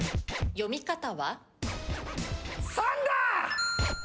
読み方は？